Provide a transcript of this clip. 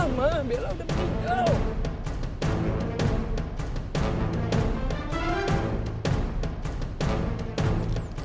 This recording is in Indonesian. mama bella udah meninggal